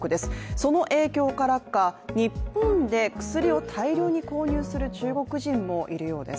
その影響からか、日本で薬を大量に購入する中国人もいるようです。